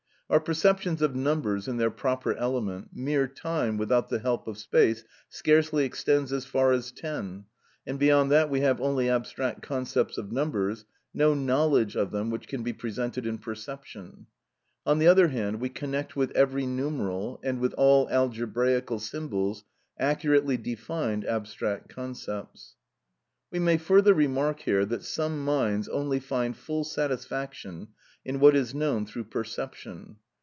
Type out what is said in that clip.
Our perceptions of numbers in their proper element, mere time, without the help of space, scarcely extends as far as ten, and beyond that we have only abstract concepts of numbers, no knowledge of them which can be presented in perception. On the other hand, we connect with every numeral, and with all algebraical symbols, accurately defined abstract concepts. We may further remark here that some minds only find full satisfaction in what is known through perception.